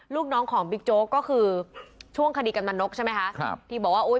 ลูกน้องของก็คือช่วงคดีกำหนกใช่ไหมคะครับที่บอกว่าอุ๊ย